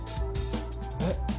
えっ？